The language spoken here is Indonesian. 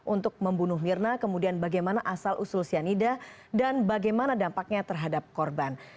untuk membunuh mirna kemudian bagaimana asal usul cyanida dan bagaimana dampaknya terhadap korban